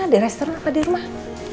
di restoran apa di rumah